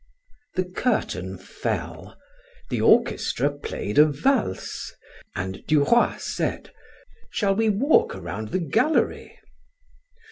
The curtain fell the orchestra played a valse and Duroy said: "Shall we walk around the gallery?"